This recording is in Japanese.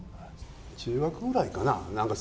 中学ぐらいかな。